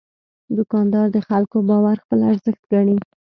دوکاندار د خلکو باور خپل ارزښت ګڼي.